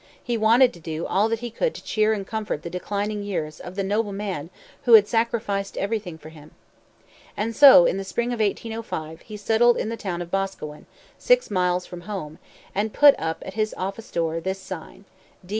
He wanted to do all that he could to cheer and comfort the declining years of the noble man who had sacrificed everything for him. And so, in the spring of 1805, he settled in the town of Boscawen, six miles from home, and put up at his office door this sign: D.